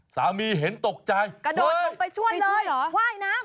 สามีเห็นตกใจกระโดดลงไปช่วยเลยเหรอว่ายน้ำ